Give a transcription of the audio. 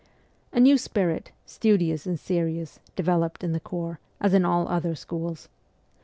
A new spirit, studious and serious, developed in the corps, as in all other schools.